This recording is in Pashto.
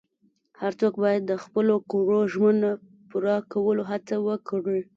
هر څوک باید د خپلو کړو ژمنو پوره کولو هڅه وکړي.